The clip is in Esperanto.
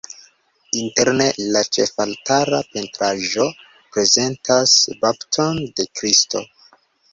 Interne la ĉefaltara pentraĵo prezentas bapton de Kristo.